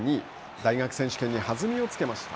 大学選手権に弾みをつけました。